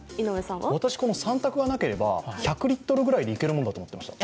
私、この三択がなければ１００リットルぐらいでいけると思ってました。